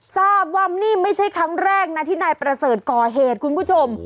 ทราบว่านี่ไม่ใช่ครั้งแรกนะที่นายประเสริฐก่อเหตุคุณผู้ชม